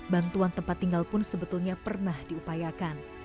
bantuan tempat tinggal pun sebetulnya pernah diupayakan